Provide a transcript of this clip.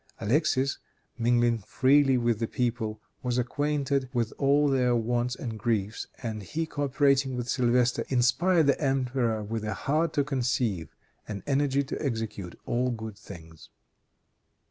Alexis, mingling freely with the people, was acquainted with all their wants and griefs, and he coöperating with Sylvestre, inspired the emperor with a heart to conceive and energy to execute all good things.